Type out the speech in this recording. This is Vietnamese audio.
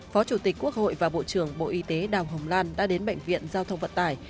phó chủ tịch quốc hội và bộ trưởng bộ y tế đào hồng lan đã đến bệnh viện giao thông vận tải